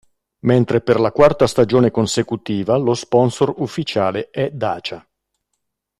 Mentre per la quarta stagione consecutiva lo sponsor ufficiale è Dacia.